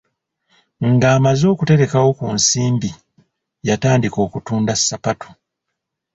Ng'amaze okuterekawo ku nsimbi, yatandika okutunda ssapatu.